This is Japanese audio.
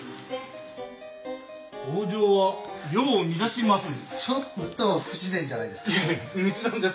北条は世を乱しまする！